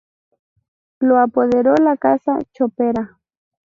Lo apoderó la casa Chopera.